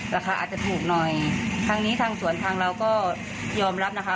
ราคาอาจจะถูกหน่อยทางนี้ทางสวนทางเราก็ยอมรับนะคะ